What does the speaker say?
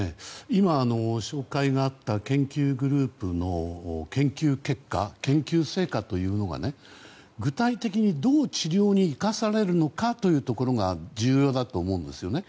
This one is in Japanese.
今、紹介があった研究グループの研究結果、研究成果というのが具体的に、どう治療に生かされるのかというところが重要だと思うんですよね。